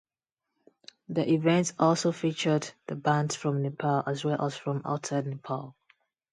The event also featured the bands from Nepal as well as from outside Nepal.